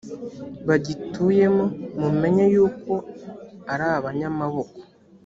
bagituyemo mumenye yuko ari abanyamaboko